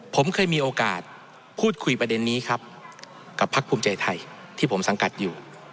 ผมเคยมีโอกาสพูดคุยประเด็นนี้ครับกับพักภูมิใจไทยที่ผมสังกัดอยู่